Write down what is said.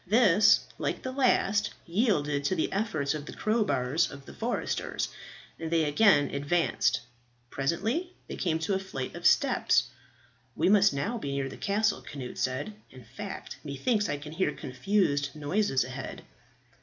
This, like the last, yielded to the efforts of the crowbars of the foresters, and they again advanced. Presently they came to a flight of steps. "We must now be near the castle," Cnut said. "In fact, methinks I can hear confused noises ahead."